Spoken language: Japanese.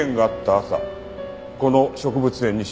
朝この植物園に侵入している。